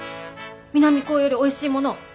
南高よりおいしいもの